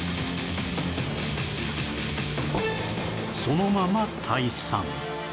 そのまま退散